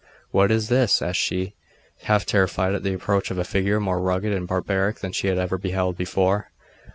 'What is this?' asked she, half terrified at the approach of a figure more rugged and barbaric than she had ever beheld before.